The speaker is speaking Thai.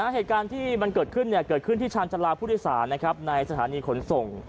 เหตุการณ์ที่มันเกิดขึ้นเกิดขึ้นที่ชาญชาลาผู้โดยสารในสถานีขนส่ง